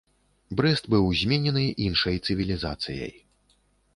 Брэст быў зменены іншай цывілізацыяй.